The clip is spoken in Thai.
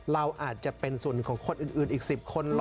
เราอาจจะเป็นส่วนของคนอื่นอีก๑๐คน